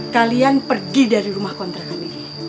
kalian pergi dari rumah kontrakan ini